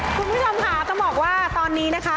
คุณผู้ชมค่ะต้องบอกว่าตอนนี้นะคะ